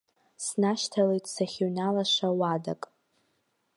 Снашьҭалеит сахьыҩналаша уадак.